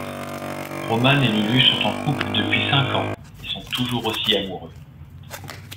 Roman et Lulu sont en couple depuis cinq ans, et sont toujours aussi amoureux.